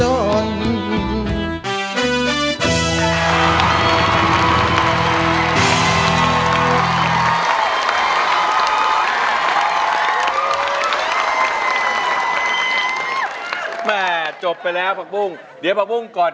เอากุญแจเขาหน่อยขี้หน่อย